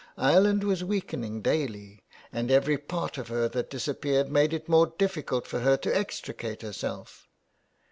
Ireland was weakening daily, and every part of her that disappeared made it more difficult for her to extricate herself.